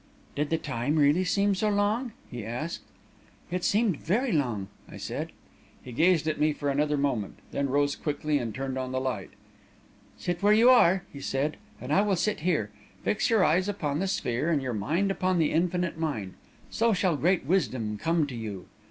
"'Did the time really seem so long?' he asked. "'It seemed very long,' I said. "He gazed at me for another moment, then rose quickly and turned on the light. "'Sit where you are,' he said, 'and I will sit here. Fix your eyes upon the sphere and your mind upon the Infinite Mind so shall great wisdom come to you.'